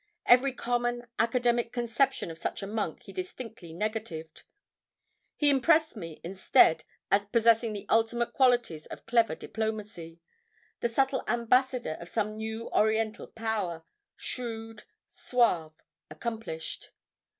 Every common, academic conception of such a monk he distinctly negatived. He impressed me, instead, as possessing the ultimate qualities of clever diplomacy—the subtle ambassador of some new Oriental power, shrewd, suave, accomplished.